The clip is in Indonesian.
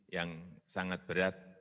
yang sangat berat